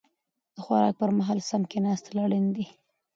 د خوراک پر مهال سم کيناستل اړين دي.